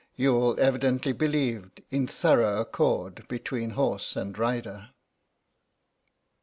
Youghal evidently believed in thorough accord between horse and rider.